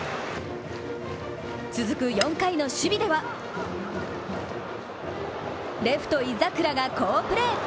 続く４回の守備ではレフト・井櫻が好プレー！